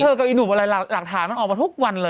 กับอีหนุ่มอะไรหลักฐานมันออกมาทุกวันเลย